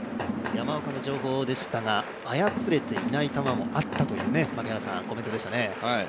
山岡の情報でしたが、操れていない球もあったというコメントでしたね。